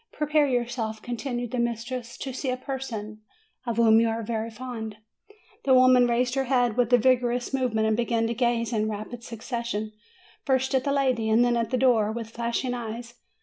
"Prepare yourself," continued her mistress, "to see a person of whom you are very fond." The woman raised her head with a vigorous move ment, and began to gaze in rapid succession, first at the lady and then at the door, with flashing eyes.